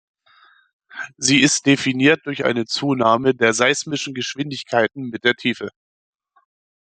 Sie ist definiert durch eine Zunahme der seismischen Geschwindigkeiten mit der Tiefe.